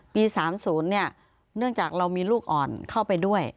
๓๐เนี่ยเนื่องจากเรามีลูกอ่อนเข้าไปด้วย